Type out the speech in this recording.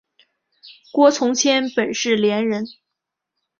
郭从谦本是伶人。